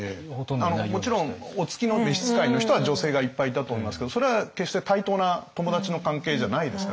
もちろんお付きの召し使いの人は女性がいっぱいいたと思いますけどそれは決して対等な友達の関係じゃないですからね。